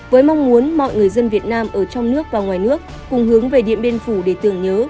với mong muốn mọi người dân việt nam ở trong nước và ngoài nước cùng hướng về điện biên phủ để tưởng nhớ